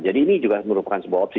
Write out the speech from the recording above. ya jadi ini juga merupakan sebuah opsi